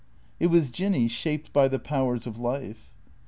It was Jinny, shaped by the powers of life.